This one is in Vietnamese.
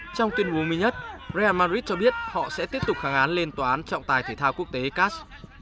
trong tuyên bố một mươi một real madrid cho biết họ sẽ tiếp tục kháng án lên tòa án trọng tài thể thao quốc tế cac